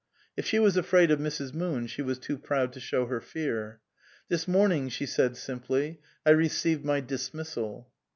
If she was afraid of Mrs. Moon she was too proud to show her fear. " This morning," she said simply, " I received my dismissal."